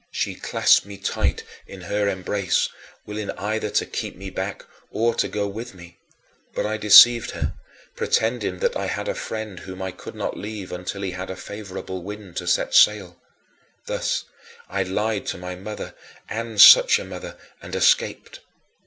She clasped me tight in her embrace, willing either to keep me back or to go with me, but I deceived her, pretending that I had a friend whom I could not leave until he had a favorable wind to set sail. Thus I lied to my mother and such a mother! and escaped.